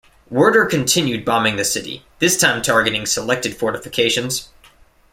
Werder continued bombing the city, this time targeting selected fortifications.